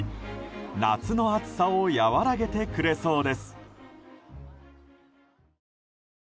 夏の暑さを和らげてくれそうです。